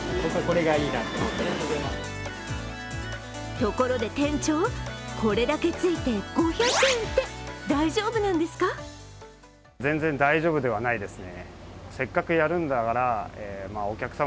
ところで店長、これだけついて５００円って大丈夫なんですか？